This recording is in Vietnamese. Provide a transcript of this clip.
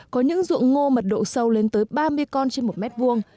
có những ruộng ngô mật độ sâu lên tới ba mươi con trên một mét vuông